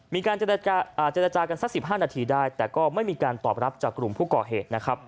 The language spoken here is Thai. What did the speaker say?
มีการเจรจากันสัก๑๕นาทีได้แต่ก็ไม่มีการตอบรับจากกลุ่มผู้ก่อเหตุนะครับ